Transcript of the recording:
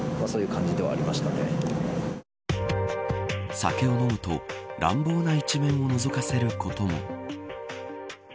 酒を飲むと乱暴な一面をのぞかせることも。